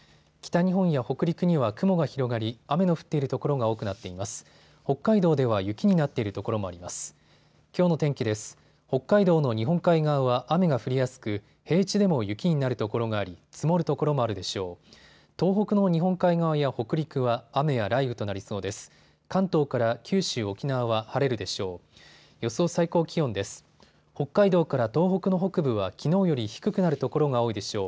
北海道の日本海側は雨が降りやすく平地でも雪になるところがあり積もる所もあるでしょう。